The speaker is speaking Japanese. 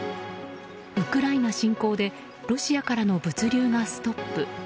ウクライナ侵攻でロシアからの物流がストップ。